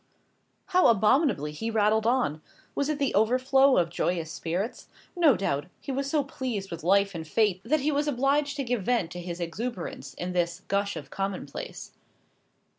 How abominably he rattled on. Was it the overflow of joyous spirits? No doubt. He was so pleased with life and fate, that he was obliged to give vent to his exuberance in this gush of commonplace.